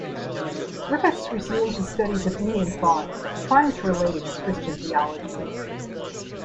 Griffiths resumed his studies of Indian thought, trying to relate it to Christian theology.